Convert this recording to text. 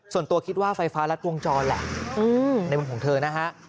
ส่วนตัวคิดว่าไฟฟ้ารัดวงจรแหละในมุมของเธอนะฮะ